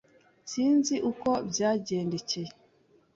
S Sinzi uko byagendekeye .